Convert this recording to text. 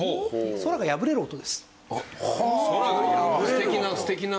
空が破れる音。